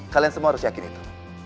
kalian semua harus yakin itu